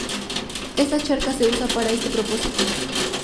Esta charca se usa para ese propósito.